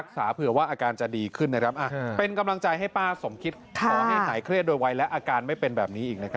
ขอบคุณครับ